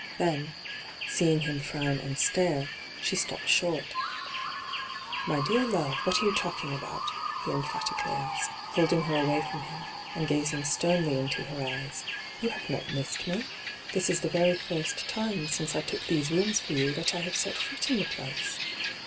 Then, seeing him frown and stare, she stopped short. ' My dear love, what are you talking about V he emphatically asked, holding her away from him, and gazing sternly into her eyes. ' You have not missed me. This is the very first time since I took these rooms for you that I have set foot in the place.'